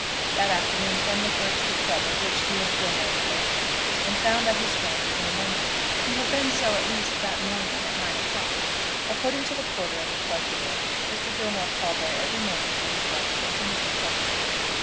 That afternoon Fenwick went to the club of which he and Gilmore were both members, and found that his friend was in London. He had been so, at least, that morning at nine o'clock. According to the porter at the club door, Mr. Gilmore called there every morning for his letters as soon as the club was open.